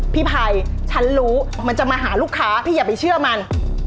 พี่ภัยฉันรู้มันจะมาหาลูกค้าพี่อย่าไปเชื่อมัน